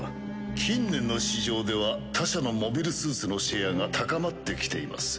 近年の市場では他社のモビルスーツのシェアが高まってきています。